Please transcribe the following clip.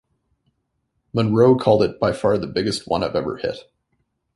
Monroe called it by far the biggest one I've ever hit.